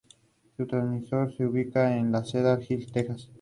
Keiichi es el doctor de Mitsuki y un amigo de su padre.